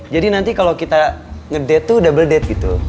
jadi nanti kalau kita ngedate tuh double date gitu